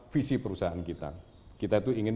visi perusahaan kita kita itu ingin